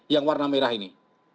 yang warna merah ini